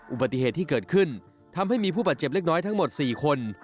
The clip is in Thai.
อุบัติเหตุที่เกิดขึ้นทำให้มีผู้บาดเจ็บเล็กน้อยทั้งหมด๔คน